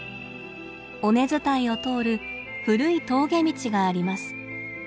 尾根伝いを通る古い峠道があります。